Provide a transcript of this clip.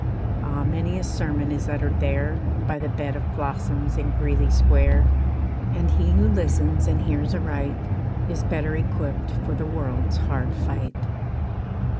Ah, many a sermon is uttered there By the bed of blossoms in Greeley square. And he who listens and hears aright, Is better equipped for the world's hard fight.